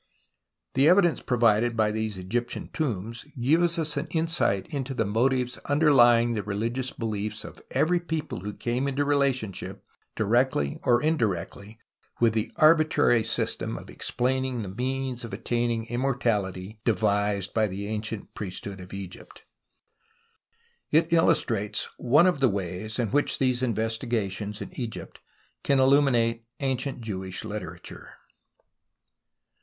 The evidence provided by these Egyptian tombs gives us an insight into the moti\'es underlying the religious beliefs of every people who came 98 TUTANKHAMEN into relationship, directly or indirectly, with the arbitrary system of explaining the means of attaining immortality devised by the ancient priesthood of Egypt. It illustrates one of the ways in which these investigations in Egypt can illuminate ancient Jewish literature.